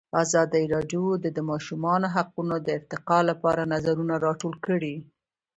ازادي راډیو د د ماشومانو حقونه د ارتقا لپاره نظرونه راټول کړي.